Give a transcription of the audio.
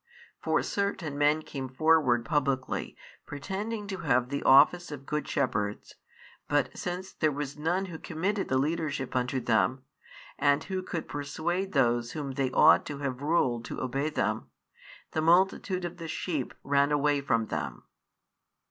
For certain men came forward publicly, pretending to have the office of good shepherds; but since there was none who committed the leadership unto them, and who |68 could persuade those whom they ought to have ruled to obey them, the multitude of the sheep ran away from them.